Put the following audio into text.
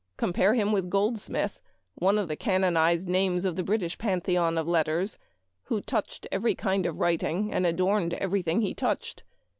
Compare him with Goldsmith, one of the canon Memoir of Washington Irving. 291 ized names of the British pantheon of letters, who touched every kind of writing, and adorned every thing he touched.